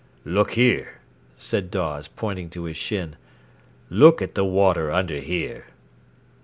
"Look here," said Dawes, pointing to his shin. "Look at the water under here."